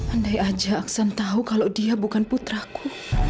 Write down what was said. andai aja aksan tahu kalau dia bukan putraku